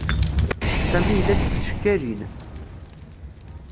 Sami yella s tcekkalin.